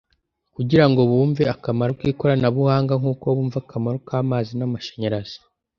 Kugira ngo bumve akamaro k’ikoranabuhanga nk’uko bumva akamaro k’amazi n’amashanyarazi